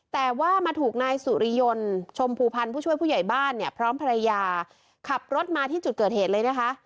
แต่ว่ามาถูกนายสุริยนต์ชมภูพันธ์ผู้ช่วยผู้ใหญ่บ้านเนี่ยพร้อมภรรยาขับรถมาที่จุดเกิดเหตุเลยนะคะ